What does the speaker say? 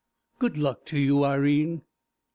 Good luck to you, Irene. XIII.